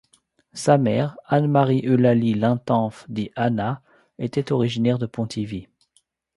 Sa mère, Anne-Marie-Eulalie Lintanff, dit Anna, était, elle, originaire de Pontivy.